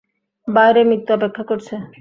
বাইরে মৃত্যু অপেক্ষা করছে!